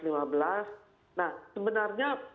lima belas nah sebenarnya